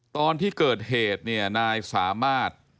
ตอนที่เกิดเหตุนายสามารถ